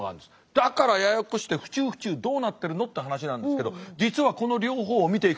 だからややこしくて府中府中どうなってるのって話なんですけど実はこの両方を見ていくと次を見てください。